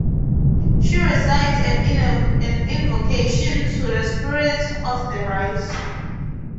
She recites an invocation to the spirits of the rice.